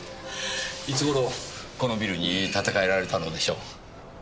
いつ頃このビルに建て替えられたのでしょう？